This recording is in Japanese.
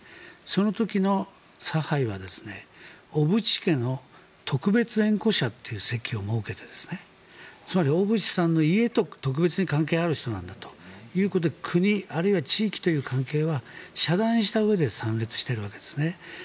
その時の差配は小渕家の特別縁故者という席を設けてつまり小渕さんの家と特別に関係がある人なんだということで国、あるいは地域という関係は遮断したうえで参列しているわけですね。